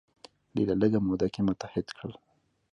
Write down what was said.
ډیره لږه موده کې متحد کړل.